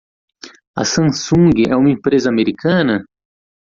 A Samsung é uma empresa americana?